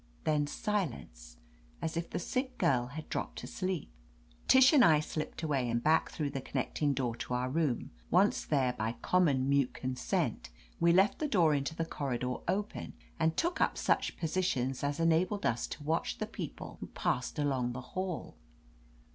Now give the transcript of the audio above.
Then silence, as if the sick girl had dropped asleep. Tish and I slipped away, and back through the connecting door to our room. Once there, by common mute consent we left the door into the corridor open and took up such positions as enabled us to watch the people who passed along the hall.